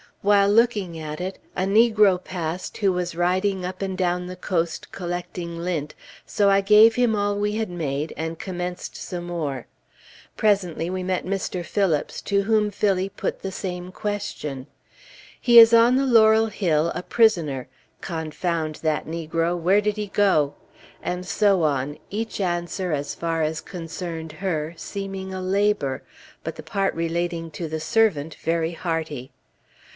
While looking at it, a negro passed who was riding up and down the coast collecting lint, so I gave him all we had made, and commenced some more. Presently, we met Mr. Phillips, to whom Phillie put the same question. "He is on the Laurel Hill a prisoner Confound that negro! where did he go?" And so on, each answer as far as concerned her, seeming a labor, but the part relating to the servant very hearty.